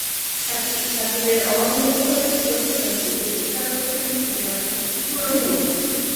সাকিবের অভাব অনুভূত হয়েছে প্রতিটি ম্যাচেই, যেটি স্বীকার করেছেন অধিনায়ক মুশফিকুর রহিমও।